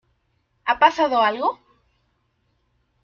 ¿ ha pasado algo?